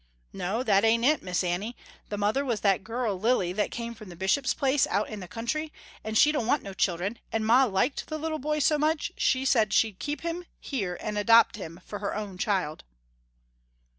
"No that ain't it Miss Annie. The mother was that girl, Lily that came from Bishop's place out in the country, and she don't want no children, and ma liked the little boy so much, she said she'd keep him here and adopt him for her own child."